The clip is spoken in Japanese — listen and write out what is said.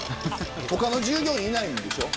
他の従業員いないんでしょ。